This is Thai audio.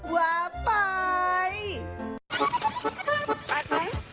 ว้าป่าย